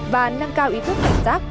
và nâng cao ý thức cảnh giác